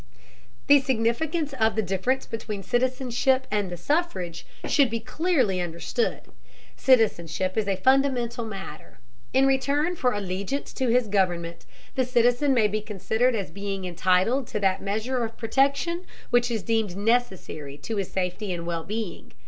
The significance of the difference between citizenship and the suffrage should be clearly understood. Citizenship is a fundamental matter. In return for allegiance to his government, the citizen may be considered as being entitled to that measure of protection which is deemed necessary to his safety and well being.